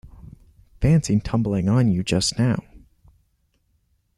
Fancy tumbling on you just now!